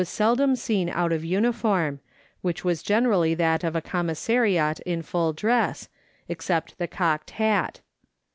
seldom seen out of uniform, which was generally that of a com missariat in full dress, except the cocked hat.